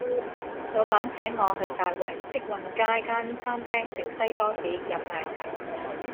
老闆請我去大圍積運街間餐廳食西多士飲奶茶